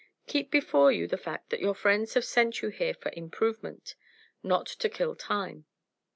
"Keep before you the fact that your friends have sent you here for improvement not to kill time.